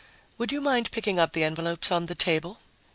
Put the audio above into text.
Would you mind picking up the envelopes on the table?"